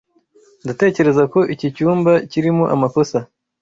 Ndatekereza ko iki cyumba kirimo amakosa.